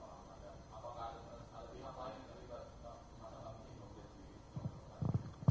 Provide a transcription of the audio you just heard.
waktu kan aktivitasnya sudah berapa lama dan apakah ada yang terlibat sama dalam aktivitas ini